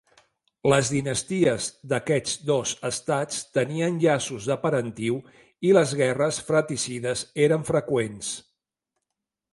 Les dinasties d'aquests dos estats tenien llaços de parentiu i les guerres fratricides eren freqüents.